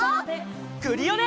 クリオネ！